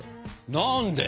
何で！